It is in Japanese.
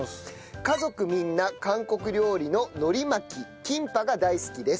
家族みんな韓国料理ののり巻きキンパが大好きです。